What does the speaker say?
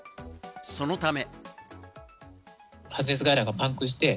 そのため。